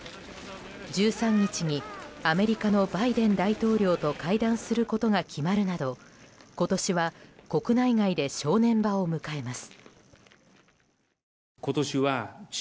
１３日にアメリカのバイデン大統領と会談することが決まるなど今年は国内外で正念場を迎えます。